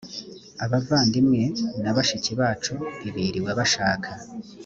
abavandimwe na bashiki bacu ntibiriwe bashaka